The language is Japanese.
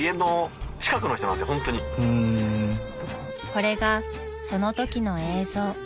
［これがそのときの映像］